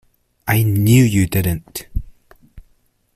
I knew you didn’t.